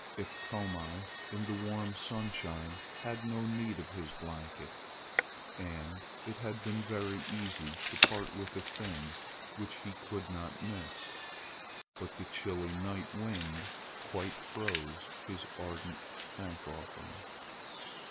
Iktomi, in the warm sunshine, had no need of his blanket, and it had been very easy to part with a thing which he could not miss. But the chilly night wind quite froze his ardent thank offering.